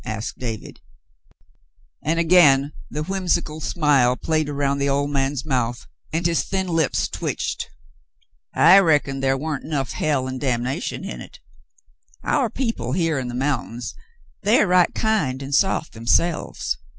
'^" asked David, and again the whimsical smile played around the old man's mouth, and his thin lips twitched. " I reckon thar wa'n't 'nuff hell 'n' damnation in hit. Our people here on the mountain, they're right kind an' soft therselves.